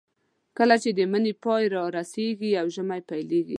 کله چې د مني پای رارسېږي او ژمی پیلېږي.